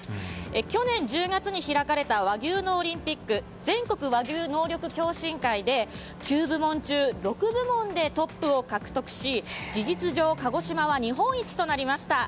去年１０月に開かれた和牛のオリンピック全国和牛能力共進会で９部門中６部門でトップを獲得し事実上、鹿児島は日本一となりました。